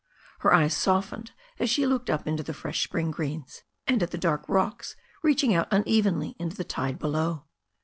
Her eyes softeped as she looked up into the fresh spring greenSy and at the dark rocks reaching out unevenly into the tide below.